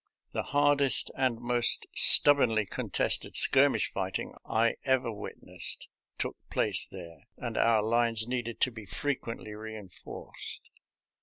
The hardest and most stubbornly contested skirmish fighting I ever witnessed took place there, and our lines needed to be frequently reinforced.